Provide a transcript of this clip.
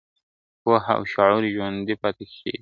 پوهه، او شعور ژوندي پاتې کیږي